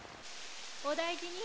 お大事に。